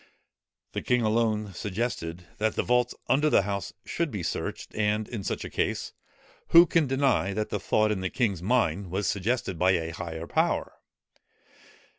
The king alone suggested, that the vaults under the House should be searched: and in such a case, who can deny, that the thought in the king's mind was suggested by a higher power?